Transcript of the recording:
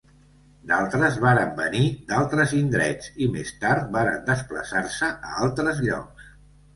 D'altres varen venir d'altres indrets i més tard varen desplaçar-se a altres llocs.